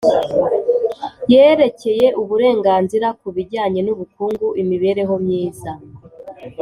yerekeye Uburenganzira ku bijyanye n ubukungu imibereho myiza